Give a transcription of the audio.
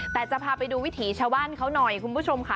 แต่จะพาไปดูวิถีชาวบ้านเขาหน่อยคุณผู้ชมค่ะ